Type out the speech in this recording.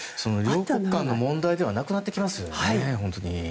両国間の問題ではなくなってきますね。